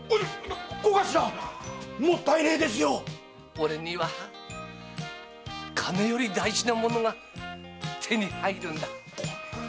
俺には金より大事なものが手に入るんだ。